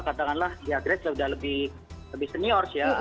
katakanlah gresia sudah lebih senior ya